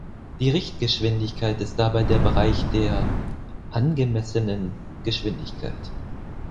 Die Richtgeschwindigkeit ist dabei der Bereich der "angemessenen" Geschwindigkeit.